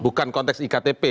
bukan konteks iktp